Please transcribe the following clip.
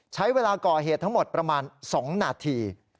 ใช้เวลาก่อเหตุทั้งหมดประมาณ๒นาที